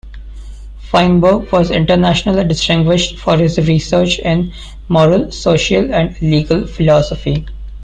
Feinberg was internationally distinguished for his research in moral, social and legal philosophy.